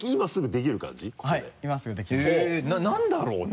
何だろうね？